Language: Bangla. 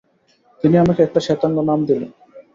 তিনি আমাকে একটা শেতাঙ্গ নাম দিলেন।